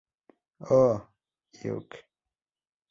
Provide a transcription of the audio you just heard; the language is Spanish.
Oh Hyuk